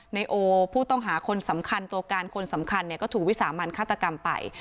ในโอผู้ต้องหาคนสำคัญตัวการคนสำคัญก็ถูกวิสามันฆาตกรรมไป